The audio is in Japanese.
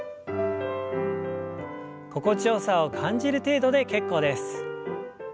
心地よさを感じる程度で結構です。